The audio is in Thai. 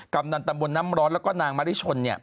กำนันตำบลน้ำร้อนแล้วก็นางมริชน